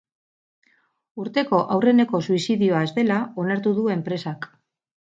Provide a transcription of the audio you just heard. Urteko aurreneko suizidioa ez dela onartu du enpresak.